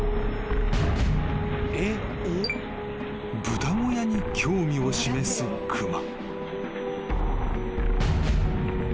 ［豚小屋に興味を示す熊］